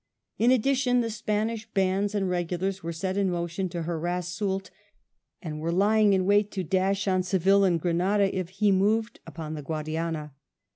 In addition, the Spanish bands and regulars were set in motion to harass Soult, and were lying in wait to dash on Seville and Grenada if he moved upon the Guadiana.